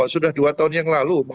sudah dua tahun yang lalu